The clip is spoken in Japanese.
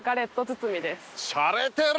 しゃれてる！